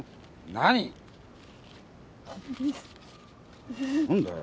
何だよ？